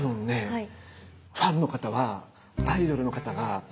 はい。